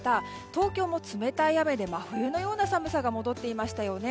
東京も冷たい雨で真冬のような寒さが戻っていましたよね。